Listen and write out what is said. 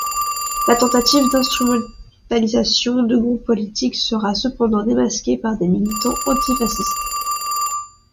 La tentative d'instrumentalisation de groupes politiques sera cependant démasquée par des militants antifascistes.